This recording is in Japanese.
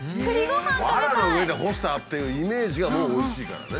わらの上で干したっていうイメージがもうおいしいからね。